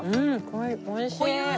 おいしい。